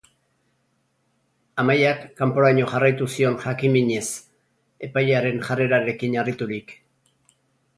Amaiak kanporaino jarraitu zion jakin-minez, epailearen jarrerarekin harriturik.